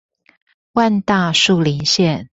萬大樹林線